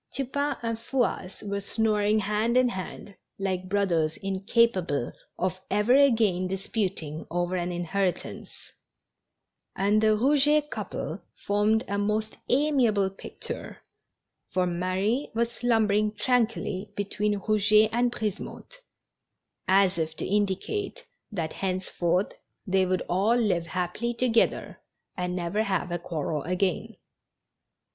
Tupain and Fouasse were snoring hand in hand, like brothers incapable of ever again disputing over an inheritance, and tlie Eouget couple formed a most amiable picture, for Marie was slumbering tranquilly between Eouget and Brisemotte, as if to indicate that henceforth they would all live happily together and never have a quarrel again.